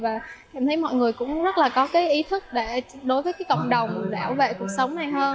và cảm thấy mọi người cũng rất là có cái ý thức đối với cộng đồng đảo vệ cuộc sống này hơn